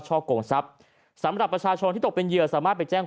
กงทรัพย์สำหรับประชาชนที่ตกเป็นเหยื่อสามารถไปแจ้ง